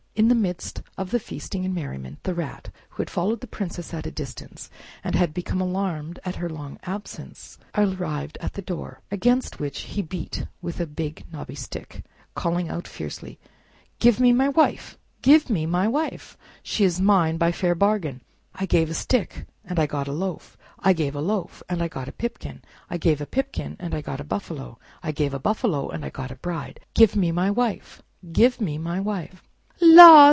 In the midst of the feasting and merriment, the Rat, who had followed the Princess at a distance, and had become alarmed at her long absence, arrived at the door, against which he beat with a big knobby stick, calling out fiercely, "Give me my wife! Give me my wife! She is mine by a fair bargain. I gave a stick and I got a loaf; I gave a loaf and I got a pipkin; I gave a pipkin and I got a buffalo; I gave a buffalo and I got a bride. Give me my wife! Give me my wife!" "La!